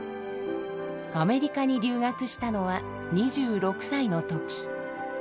アメリカに留学したのは２６歳の時。